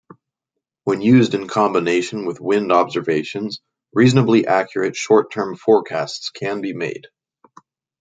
When used in combination with wind observations, reasonably accurate short-term forecasts can be made.